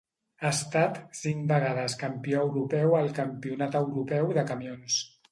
Ha estat cinc vegades campió europeu al Campionat Europeu de Camions.